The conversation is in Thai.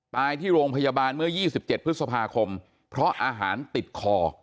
ที่โรงพยาบาลเมื่อ๒๗พฤษภาคมเพราะอาหารติดคอ